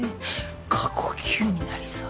過呼吸になりそう。